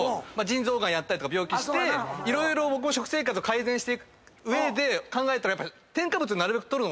腎臓がんやったり病気して色々食生活を改善していく上で考えたらやっぱ。